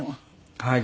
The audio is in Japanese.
はい。